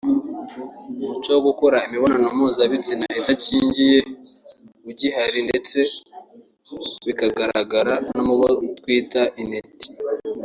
umuco wo gukora imibonano mpuzabitsina idakingiye ugihari ndetse bikagaragara no mu bo twita ‘Intiti’